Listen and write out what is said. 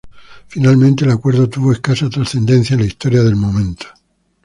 Finalmente, el acuerdo tuvo escasa trascendencia en la historia del momento.